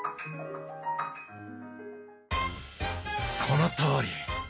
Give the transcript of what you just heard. このとおり！